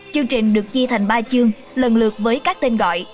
chương trình được chia thành ba chương lần lượt với các tên gọi